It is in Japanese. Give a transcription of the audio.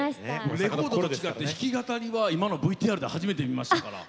レコードと違って引き語りは今のＶＴＲで初めて見ました。